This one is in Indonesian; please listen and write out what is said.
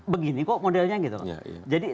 begini kok modelnya gitu loh jadi